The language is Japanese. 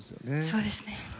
そうですね。